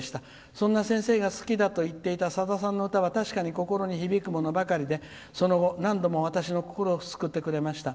そんな先生が好きだと言っていたさださんの歌は確かに心に響くものばかりでその後、何度も私の心を救ってくれました。